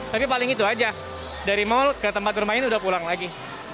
tapi paling itu aja dari mal ke tempat bermain udah pulang lagi